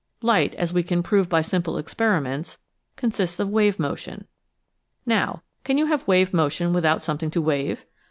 Light, as we can prove by simple experiments, consists of wave motion. Now, can you have wave motion without something to wave?